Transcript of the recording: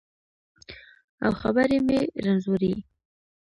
او خبرې مې رنځورې